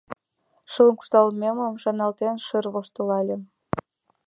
Шылын куржталмем шарналтен, шыр-р воштылале.